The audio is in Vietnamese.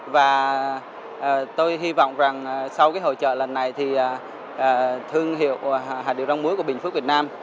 và tôi hy vọng rằng sau cái hội trợ lần này thì thương hiệu hạt điều rong muối của bình phước việt nam